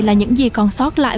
là những gì còn sót lại